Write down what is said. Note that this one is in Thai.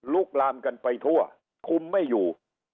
ลามกันไปทั่วคุมไม่อยู่